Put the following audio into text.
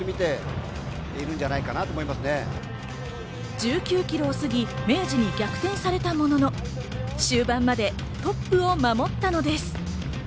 １９ｋｍをすぎ、明治に逆転されたものの、終盤までトップを守ったのです。